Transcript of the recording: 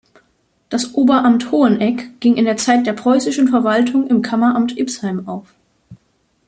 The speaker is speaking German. Das Oberamt Hoheneck ging in der Zeit der preußischen Verwaltung im Kammeramt Ipsheim auf.